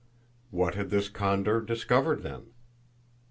What had this condor discovered then?